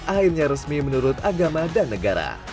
akhirnya resmi menurut agama dan negara